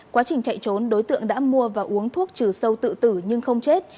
quá trình chạy trốn đối tượng đã mua và uống thuốc trừ sâu tự tử nhưng không chết